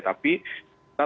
tapi kita tahu